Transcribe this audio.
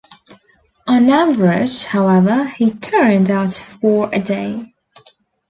On average, however, he turned out four a day.